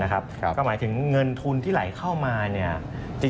ก็หมายถึงเงินทุนที่ไหลเข้ามา